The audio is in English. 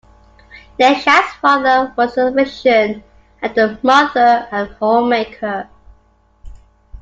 Neshat's father was a physician and her mother a homemaker.